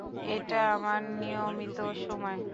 এটা আমার নিয়মিত সময়।